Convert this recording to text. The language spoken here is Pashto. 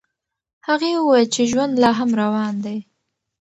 هغې وویل چې ژوند لا هم روان دی.